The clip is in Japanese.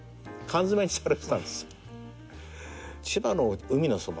缶詰めにされてたんです。